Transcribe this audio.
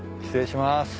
失礼します。